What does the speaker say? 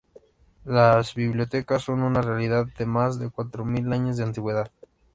Las bibliotecas son una realidad de más de cuatro mil años de antigüedad.